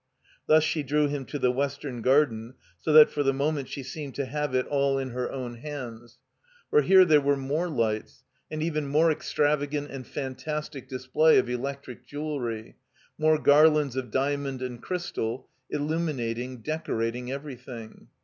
Thus she drew him to the Western Garden, so that for the moment she seemed to have it all in her 24 363 THE COMBINED MAZE own hands. For here there were more lights, and even more extravagant and fantastic display of electric jewelry, more garlands of diamond and crystal, illuminating, decorating everything.